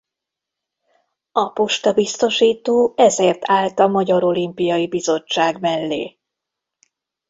A Posta Biztosító ezért állt a Magyar Olimpiai Bizottság mellé.